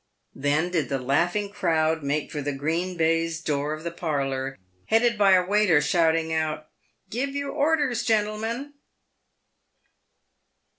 Then did the laughing crowd make for the green baize door of the parlour, headed by a waiter shoutiug out, " Give your orders, gentle men!"